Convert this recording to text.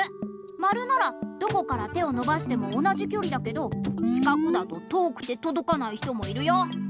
まるならどこから手をのばしても同じきょりだけどしかくだと遠くてとどかない人もいるよ！